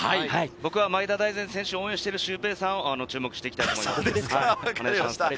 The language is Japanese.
僕は前田大然選手を応援しているシュウペイさんを注目したいと思います。